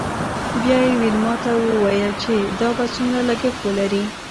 بیا یې ویلما ته وویل چې دا به څومره لګښت ولري